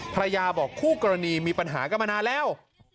ภรรยาบอกคู่กรณีมีปัญหากันมานานแล้ว